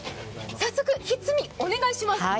早速、ひっつみ、お願いします。